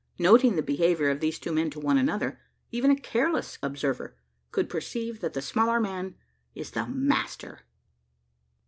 Noting the behaviour of these two men to one another, even a careless observer could perceive that the smaller man is the master!